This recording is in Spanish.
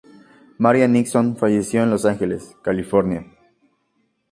Marian Nixon falleció en Los Ángeles, California.